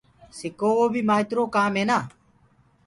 سڪووو بي مآئيترو ڪآم هي نآ